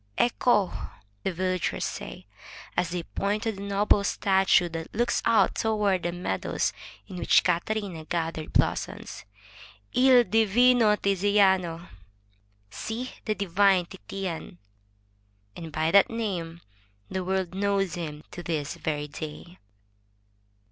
Ecco!" the villagers say, as they point to a noble statue that looks out toward the meadows in which Catarina gathered blossoms, '*I1 divino Tiziano. — See, the divine Titian!" And by that name the world knows him to this very day.